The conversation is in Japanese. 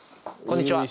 こんにちは。